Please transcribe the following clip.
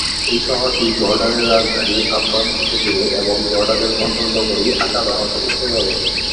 এই শহরটি জর্ডানের রাজধানী আম্মান থেকে দূরে, এবং জর্ডানের বন্দরনগরী আকাবা হতে উত্তরে অবস্থিত।